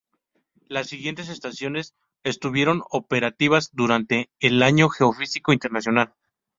Las siguientes estaciones estuvieron operativas durante el Año Geofísico Internacional.